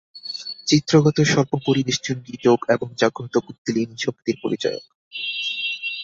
চিত্রগত সর্পপরিবেষ্টনটি যোগ এবং জাগ্রত কুণ্ডলিনীশক্তির পরিচায়ক।